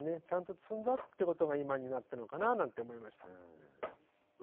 ちゃんと積んだってことが今になったのかななんて思いました。